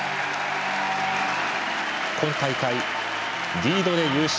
今大会、リードで優勝。